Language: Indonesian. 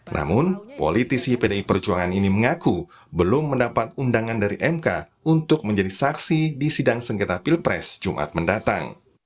namun politisi pdi perjuangan ini mengaku belum mendapat undangan dari mk untuk menjadi saksi di sidang sengketa pilpres jumat mendatang